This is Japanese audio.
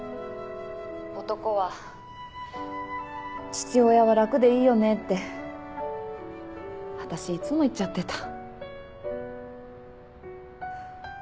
「男は父親は楽でいいよね」って私いつも言っちゃってた。